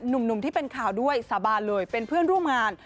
หนุ่มที่เป็นข่าวด้วยสาบานเลยเป็นเพื่อนร่วมงาน